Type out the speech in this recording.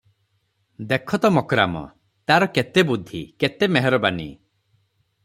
ଦେଖ ତ ମକ୍ରାମ୍, ତାର କେତେ ବୁଦ୍ଧି, କେତେ ମେହରବାନି!